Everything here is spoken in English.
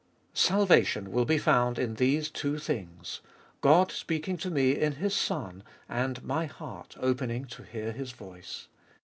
1. Salvation will be found In these two things— Qod speaking to me In His Son, and my heart opening to hear His voice.